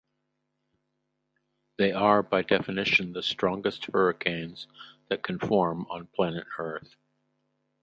They are by definition the strongest hurricanes that can form on planet Earth.